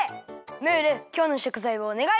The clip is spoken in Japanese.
ムールきょうのしょくざいをおねがい！